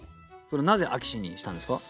なぜ「飽きし」にしたんですか？